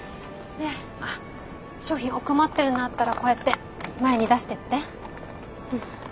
で商品奥まってるのあったらこうやって前に出してって。